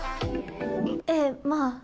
ええまあ。